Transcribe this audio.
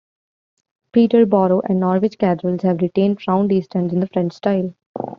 Peterborough and Norwich Cathedrals have retained round east ends in the French style.